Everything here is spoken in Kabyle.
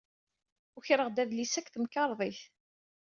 Ukreɣ-d adlis-a seg temkerḍit.